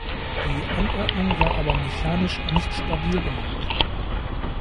Die Anordnung war aber mechanisch nicht stabil genug.